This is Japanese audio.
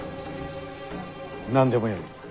何でもよい。